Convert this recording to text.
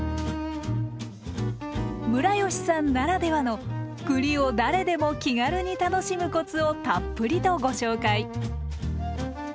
ムラヨシさんならではの栗を誰でも気軽に楽しむコツをたっぷりとご紹介。